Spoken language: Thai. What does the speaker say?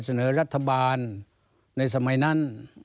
เสนอรัฐบาลในสมัยนั้น